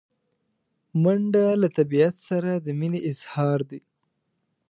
منډه له طبیعت سره د مینې اظهار دی